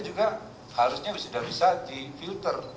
juga harusnya sudah bisa di filter